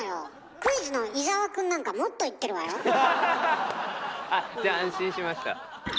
クイズの伊沢くんなんかあっじゃあ安心しました。